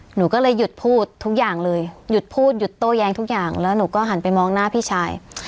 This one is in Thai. หนูก็เลยหยุดพูดทุกอย่างเลยหยุดพูดหยุดโต้แย้งทุกอย่างแล้วหนูก็หันไปมองหน้าพี่ชาย